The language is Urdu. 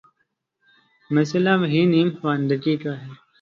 مسئلہ وہی نیم خواندگی کا ہے۔